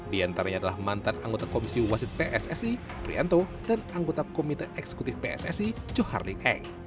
di antaranya adalah mantan anggota komisi wasit pssi prianto dan anggota komite eksekutif pssi johar ling eng